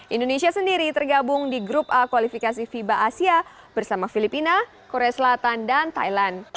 indonesia sendiri tergabung di grup a kualifikasi fiba asia bersama filipina korea selatan dan thailand